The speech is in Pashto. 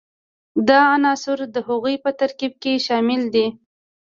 دا عنصر د هغوي په ترکیب کې شامل دي.